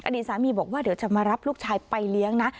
อดีตสามีบอกว่าเดี๋ยวจะมารับลูกชายไปเลี้ยงนะ